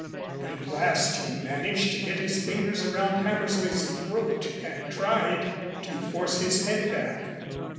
But at last he managed to get his fingers around Hammersley's throat and tried to force his head back.